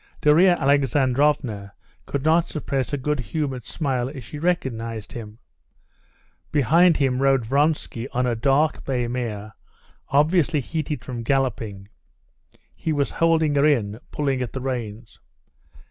Darya Alexandrovna could not suppress a good humored smile as she recognized him. Behind rode Vronsky on a dark bay mare, obviously heated from galloping. He was holding her in, pulling at the reins.